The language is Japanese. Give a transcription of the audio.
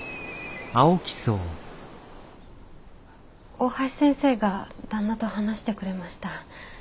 大橋先生が旦那と話してくれました。